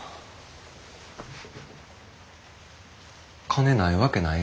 金ないわけないやろ。